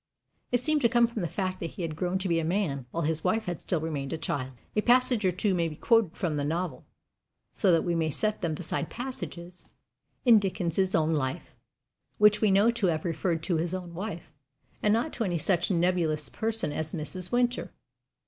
It seemed to come from the fact that he had grown to be a man, while his wife had still remained a child. A passage or two may be quoted from the novel, so that we may set them beside passages in Dickens's own life, which we know to have referred to his own wife, and not to any such nebulous person as Mrs. Winter.